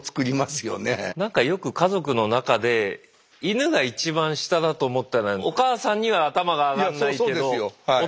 何かよく家族の中でイヌが一番下だと思ったらお母さんには頭が上がんないけどお父さんには強いとか。